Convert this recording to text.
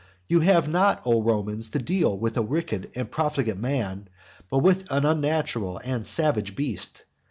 You have not, O Romans, to deal with a wicked and profligate man, but with an unnatural and savage beast.